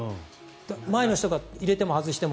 前の人が入れても外しても。